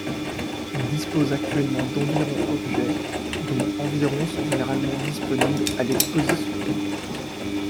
Il dispose actuellement d'environ objets, dont environ sont généralement disponibles à l'exposition.